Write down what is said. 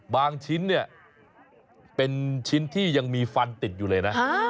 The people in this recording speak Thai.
บางชิ้นเป็นชิ้นที่ยังมีฟันติดอยู่เลยนะ